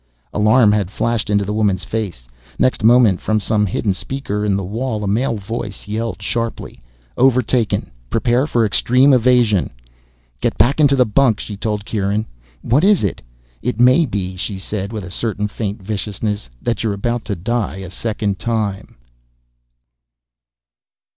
Alarm had flashed into the woman's face. Next moment, from some hidden speaker in the wall, a male voice yelled sharply, "Overtaken prepare for extreme evasion " "Get back into the bunk," she told Kieran. "What is it?" "It may be," she said with a certain faint viciousness, "that you're about to die a second time."